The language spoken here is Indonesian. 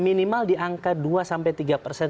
minimal diangka dua sampai tiga persen